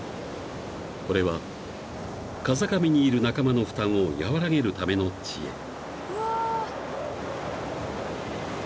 ［これは風上にいる仲間の負担を和らげるための知恵］